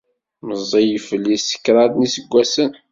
Meẓẓiy fell-i s kraḍ n yiseggasen.